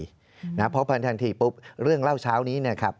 เพราะพันทันทีปุ๊บเรื่องเล่าเช้านี้นะครับ